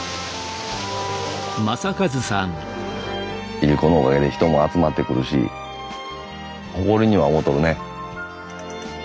いりこのおかげで人も集まってくるし誇りには思とるね。